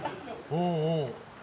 うんうん。